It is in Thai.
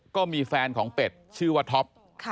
ก็มีแฟนของเป็ดชื่อว่าท็อป